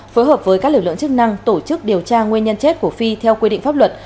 phối hợp với các lực lượng chức năng tổ chức điều tra nguyên nhân chết của phi theo quy định pháp luật